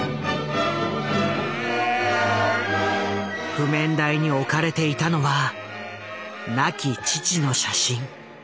譜面台に置かれていたのは亡き父の写真。